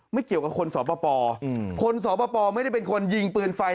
เกี่ยวกับคนสปลาคนสปไม่ได้เป็นคนยิงปืนไฟ